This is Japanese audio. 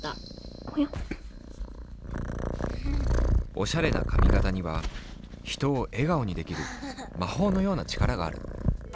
おしゃれな髪型には人を笑顔にできるまほうのような力がある。